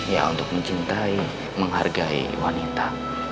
ya untuk mencintai menghargai wanita